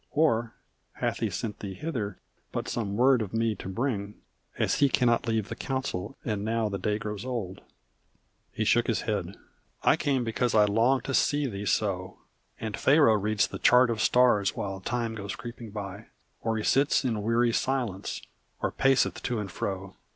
Or hath he sent thee hither but some word of me to bring As he cannot leave the council, and now the day grows old?" He shook his head. "I came because I longed to see thee so; And Pharaoh reads the chart of stars while time goes creeping by, Or he sits in weary silence or paceth to and fro.